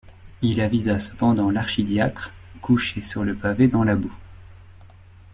Il avisa cependant l’archidiacre couché sur le pavé dans la boue.